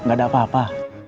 gak ada apa apa